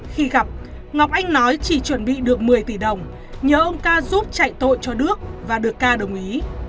khi gặp ngọc anh nói chỉ chuẩn bị được một mươi tỷ đồng nhờ ông ca giúp chạy tội cho đước và được ca đồng ý